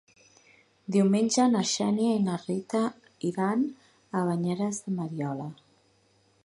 Diumenge na Xènia i na Rita iran a Banyeres de Mariola.